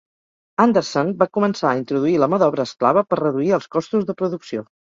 Anderson va començar a introduir la ma d'obra esclava per reduir els costos de producció.